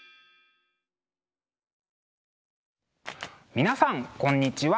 皆さんこんにちは。